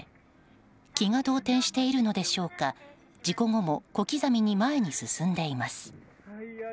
気が動転しているのでしょうか事故後も小刻みに前に進んでいます。